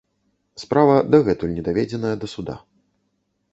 Справа дагэтуль не даведзеная да суда.